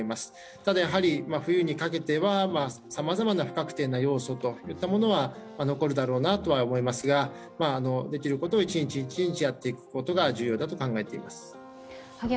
ただ、冬にかけてはさまざまな不確定な要素といったものは残るだろうなとは思いますができることを一日一日やっていくことが重要だと考えています。